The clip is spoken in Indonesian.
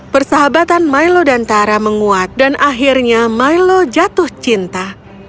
persahabatan milo dan tara menguat dan akhirnya milo jatuh cinta